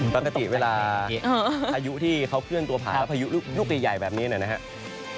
ปกติเวลาพายุที่เขาเคลื่อนตัวผ่านแล้วพายุลูกใหญ่แบบนี้นะครับ